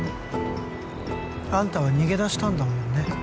あんたは逃げ出したんだもんね？